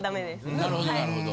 なるほどなるほど。